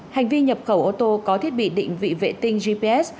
hành vi nhập khẩu ô tô có thiết bị định vị vệ tinh gps